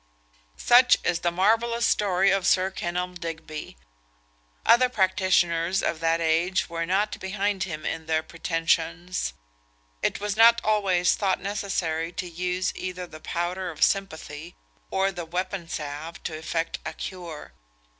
Such is the marvellous story of Sir Kenelm Digby. Other practitioners of that age were not behind him in their pretensions. It was not always thought necessary to use either the powder of sympathy, or the weapon salve, to effect a cure.